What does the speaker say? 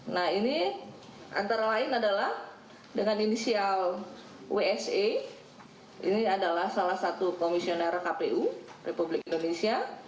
nah ini antara lain adalah dengan inisial wse ini adalah salah satu komisioner kpu republik indonesia